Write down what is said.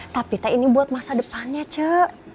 tapi teh ini buat masa depannya cek